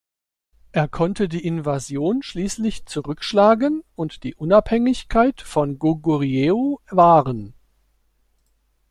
Er konnte die Invasion schließlich zurückschlagen und die Unabhängigkeit von Goguryeo wahren.